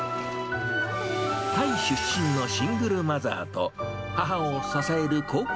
タイ出身のシングルマザーと、母を支える孝行